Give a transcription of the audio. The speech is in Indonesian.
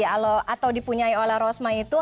atau dipunyai oleh rosma itu